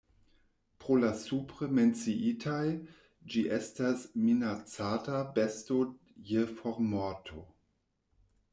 Pro la supre menciitaj, ĝi estas minacata besto je formorto.